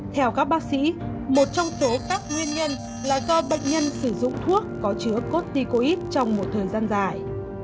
theo các bác sĩ một trong số các nguyên nhân là do bệnh nhân sử dụng thuốc có chứa cotticoid trong một thời gian dài